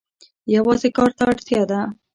یوازې کار ته اړتیا ده.